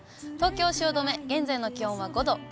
東京・汐留、現在の気温は５度。